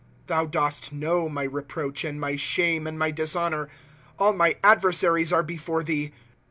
^3 Thou dost know my reproach, and my shame, and my dishonor ; All my adversaries are befoi e thee.